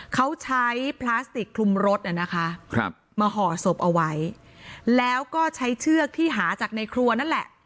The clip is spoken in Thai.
เขาใช้พลาสติกคลุมรถนะคะมาห่อศพเอาไว้แล้วก็ใช้เชือกที่หาจากในครัวนั่นแหละ